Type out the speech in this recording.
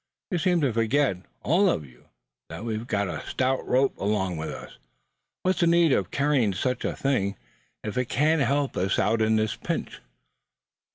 You seem to forget, all of you, that we've got a stout rope along with us. What's the need of carrying such a thing, if it can't help us out in a pinch?"